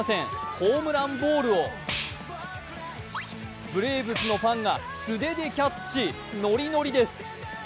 ホームランボールをブレーブスのファンが素手でキャッチ、ノリノリです。